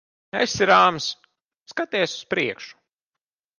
Esi rāms. Skaties uz priekšu.